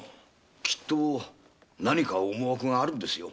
きっと何か思惑があるんですよ。